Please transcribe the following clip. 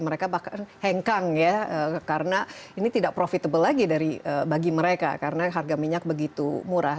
mereka bahkan hengkang ya karena ini tidak profitable lagi bagi mereka karena harga minyak begitu murah